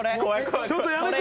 ちょっとやめて！